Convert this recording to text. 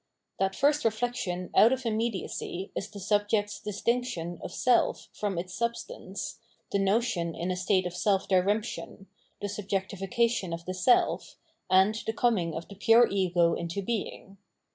That first reflection out of immediacy is the subject's distinction of self from its substance, the notion in a state of self diremption, the subjectification of the self, and the coming of the pure ego into being.